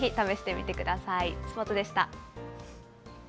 スポーツでした。